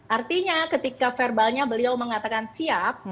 artinya ketika verbalnya beliau mengatakan siap